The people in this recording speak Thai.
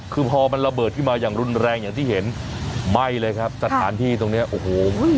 คือพอมันระเบิดขึ้นมาอย่างรุนแรงอย่างที่เห็นไหม้เลยครับสถานที่ตรงเนี้ยโอ้โห